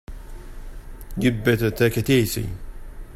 You'd better take it easy.